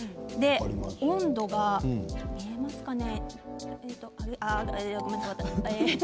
温度が見えますかね。